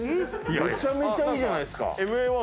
めちゃめちゃいいじゃないですか。